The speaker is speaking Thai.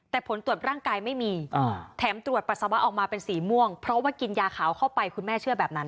แต่ผลตรวจร่างกายไม่มีแถมตรวจปัสสาวะออกมาเป็นสีม่วงเพราะว่ากินยาขาวเข้าไปคุณแม่เชื่อแบบนั้น